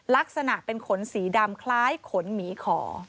ลักษณะเป็นขนสีดำคล้ายขนหมีขอ